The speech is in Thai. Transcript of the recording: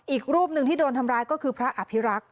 อีกรูปหนึ่งที่โดนทำร้ายก็คือพระอภิรักษ์